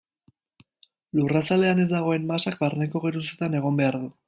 Lurrazalean ez dagoen masak barneko geruzetan egon behar du.